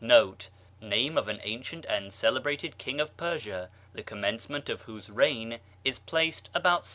viii., etc * Name of an ancient and celebrated king of Persia, the OHn mencemcnt of whose reign is placed about 750 B.